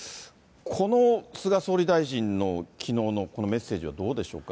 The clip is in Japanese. この菅総理大臣のきのうのこのメッセージは、どうでしょうか。